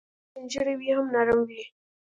کوربه که سپین ږیری وي، هم نرم وي.